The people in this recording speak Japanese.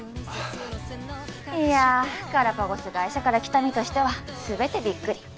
いやガラパゴス会社から来た身としては全てびっくり